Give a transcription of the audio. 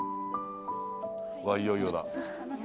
わっいよいよだ。